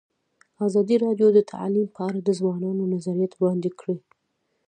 ازادي راډیو د تعلیم په اړه د ځوانانو نظریات وړاندې کړي.